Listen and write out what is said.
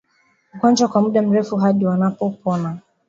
ugonjwa kwa muda mrefu hadi wanapopona